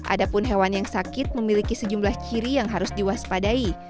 adapun hewan yang sakit memiliki sejumlah ciri yang harus diwaspadai